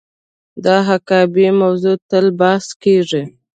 د حقابې موضوع تل بحث کیږي.